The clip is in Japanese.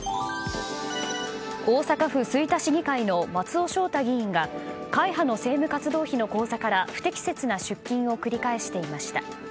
大阪府吹田市議会の松尾翔太議員が会派の政務活動費の口座から不適切な出金を繰り返していました。